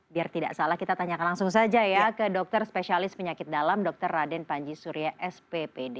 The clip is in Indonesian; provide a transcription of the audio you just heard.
biar tidak salah kita tanyakan langsung saja ya ke dokter spesialis penyakit dalam dr raden panji surya sppd